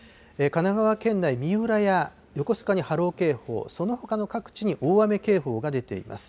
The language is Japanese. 神奈川県内、三浦や横須賀に波浪警報、そのほかの各地に大雨警報が出ています。